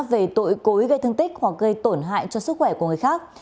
về tội cố ý gây thương tích hoặc gây tổn hại cho sức khỏe của người khác